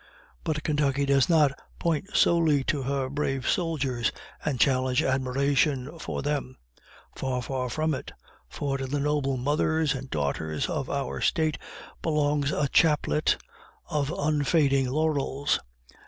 But Kentucky does not point solely to her brave soldiers, and challenge admiration for them. Far, far from it; for to the noble mothers and daughters of our State belongs a chaplet of unfading laurels.